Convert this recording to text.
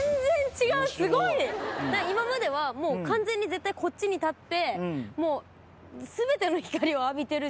今まではもう完全に絶対こっちに立って。